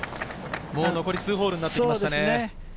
残り数ホールになってきましたね。